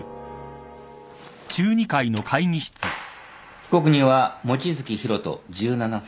被告人は望月博人１７歳。